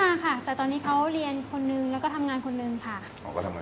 อ่าพี่สิบเก้าครับ